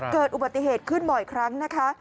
เกิดอุบัติเหตุขึ้นบ่อยครั้งนะคะ